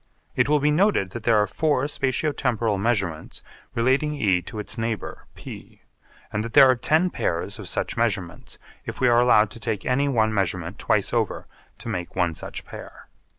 It will be noted that there are four spatio temporal measurements relating E to its neighbour P, and that there are ten pairs of such measurements if we are allowed to take any one measurement twice over to make one such pair.